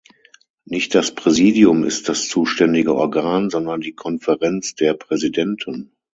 Nicht das Präsidium ist das zuständige Organ, sondern die Konferenz der Präsidenten.